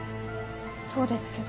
そうですけど。